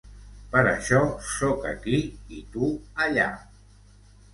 Per això sóc aquí i tu allà!